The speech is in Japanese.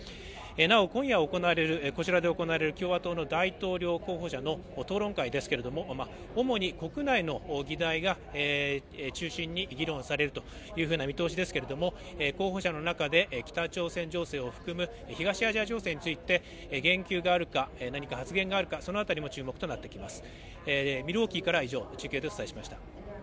なお今夜こちらで行われる共和党の大統領候補者の討論会ですけれども、主に国内の議題が中心に議論されるというふうな見通しですけれども、候補者の中で北朝鮮情勢を含む東アジア情勢について言及があるか、何か発言があるかそのあたりも注目となってきます。